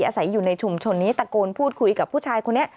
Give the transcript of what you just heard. อาศัยอยู่ในชุมชนนี้ตะโกนพูดคุยกับผู้ชายคนนี้